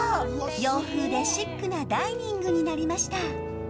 洋風でシックなダイニングになりました。